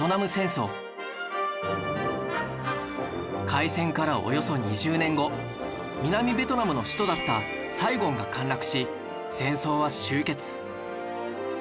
開戦からおよそ２０年後南ベトナムの首都だったサイゴンが陥落し戦争は終結